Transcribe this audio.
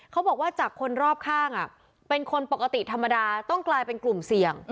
เขาบอกว่าจากคนรอบข้างเป็นคนปกติธรรมดาต้องกลายเป็นกลุ่มเสี่ยง